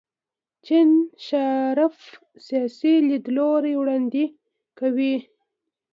جین شارپ سیاسي لیدلوری وړاندې کوي.